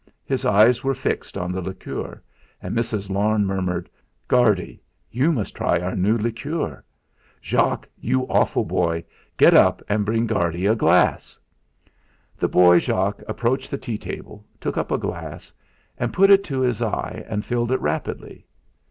His eyes were fixed on the liqueur, and Mrs. Larne murmured: "Guardy, you must try our new liqueur. Jock, you awful boy, get up and bring Guardy a glass." The boy Jock approached the tea table, took up a glass, put it to his eye and filled it rapidly.